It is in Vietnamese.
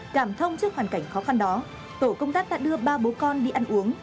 cảm thông trước hoàn cảnh khó khăn đó tổ công tác đã đưa ba bố con đi ăn uống